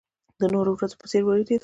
د نورو ورځو په څېر وېرېدله.